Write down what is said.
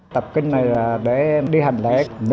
tập kinh này là để đi hành lễ